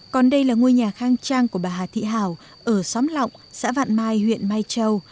còn đây là ngôi nhà khang trang của bà hà thị hảo ở xóm lọng xã vạn mai huyện mai châu